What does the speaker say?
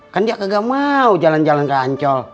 kan dia kagak mau jalan jalan ke ancol